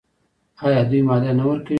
آیا دوی مالیه نه ورکوي؟